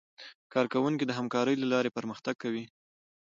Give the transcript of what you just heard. کارکوونکي د همکارۍ له لارې پرمختګ کوي